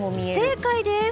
正解です。